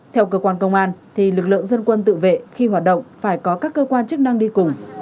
theo cơ quan công an lực lượng dân quân tự vệ khi hoạt động phải có các cơ quan chức năng đi cùng